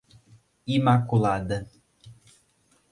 Imaculada